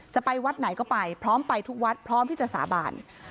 จะไปวัดไหนก็ไปพร้อมไปทุกวัดพร้อมที่จะสาบาน